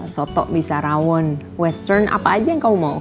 soto bisa rawon western apa aja yang kamu mau